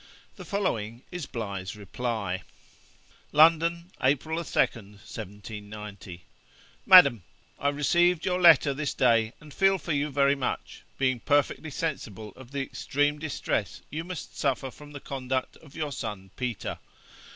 The following is Bligh's reply: 'London, April 2nd, 1790. 'MADAM, I received your letter this day, and feel for you very much, being perfectly sensible of the extreme distress you must suffer from the conduct of your son Peter.